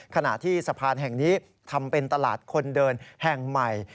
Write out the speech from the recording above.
ขณะที่สะพานแห่งนี้ทำเป็นตลาดคนเดินแห่งใหม่